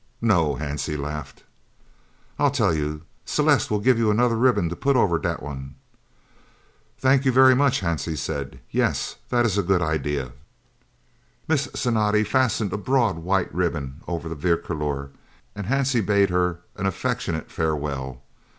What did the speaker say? "No," Hansie laughed. "I'll tell you. Celeste will give you anudder ribbon to put over dat one." "Thank you very much," Hansie said. "Yes, that is a good idea." Miss Cinatti fastened a broad white ribbon over the "Vierkleur," and Hansie bade her an affectionate farewell.